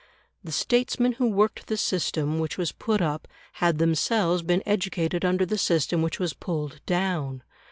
The statesmen who worked the system which was put up had themselves been educated under the system which was pulled down.